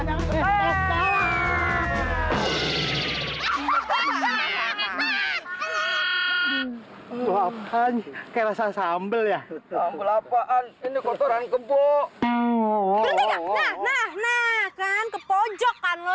lalu apaan kerasa sambel ya apaan ini kotoran kebo